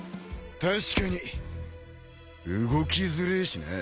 確かに動きづれえしな。